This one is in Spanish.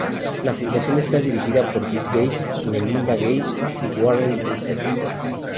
La fundación está dirigida por Bill Gates, Melinda Gates y Warren Buffett.